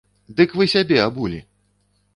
Дык вы сябе абулі!